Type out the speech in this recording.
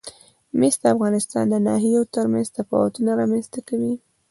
مس د افغانستان د ناحیو ترمنځ تفاوتونه رامنځ ته کوي.